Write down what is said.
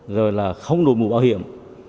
rồi là không đối mục bảo hiểm